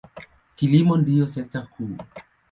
Kilimo ndiyo sekta kuu.